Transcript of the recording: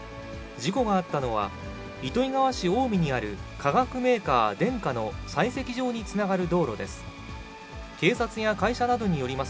事故があったのは、糸魚川市青海にある化学メーカー、デンカの採石場につながる道路です。